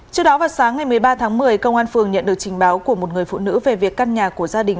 trước đó vào sáng ngày một mươi ba tháng một mươi công an phường nhận được trình báo của một người phụ nữ về việc căn nhà của gia đình